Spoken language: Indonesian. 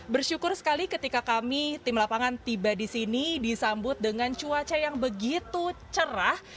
bersyukur sekali ketika kami tim lapangan tiba di sini disambut dengan cuaca yang begitu cerah